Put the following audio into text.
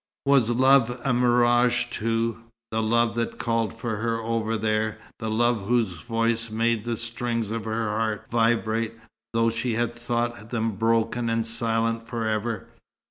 Was love a mirage, too? the love that called for her over there, the love whose voice made the strings of her heart vibrate, though she had thought them broken and silent for ever.